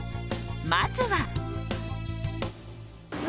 まずは。